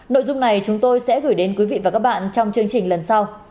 nội dung này chúng tôi sẽ gửi đến quý vị và các bạn trong chương trình lần sau